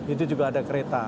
itu juga ada kereta